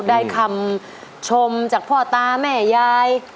ได้คำชมจากพ่อตาแม่ยาย